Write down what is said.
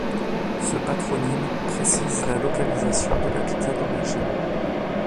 Ce patronyme précise la localisation de l'habitat d'origine.